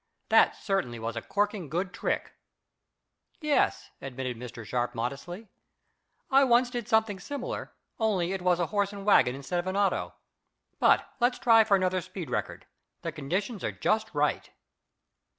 "That certainly was a corking good trick." "Yes," admitted Mr. Sharp modestly. "I once did something similar, only it was a horse and wagon instead of an auto. But let's try for another speed record. The conditions are just right."